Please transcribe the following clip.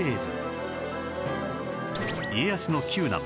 家康の九男